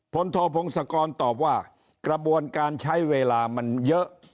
โทพงศกรตอบว่ากระบวนการใช้เวลามันเยอะ